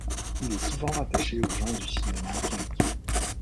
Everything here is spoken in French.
Il est souvent rattaché au genre du cinéma quinqui.